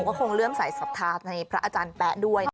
ผมก็คงเริ่มใส่ศัพท์ธาตุในพระอาจารย์แปะด้วย